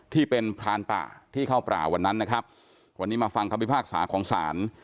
ที่เป็นพรานป่าที่เข้าป่าวันนั้นนะครับวันนี้มาฟังคำพิพากษาของศาล